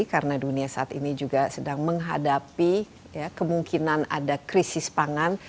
karena dunia saat ini juga sedang menghadapi kemungkinan ada krisis pangan